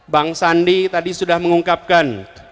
bang sandi tadi sudah mengungkapkan